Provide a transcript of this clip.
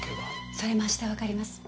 それも明日わかります。